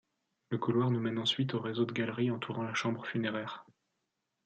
Le couloir nous mène ensuite au réseau de galeries entourant la chambre funéraire.